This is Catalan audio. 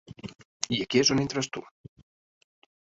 I aquí és on entres tu.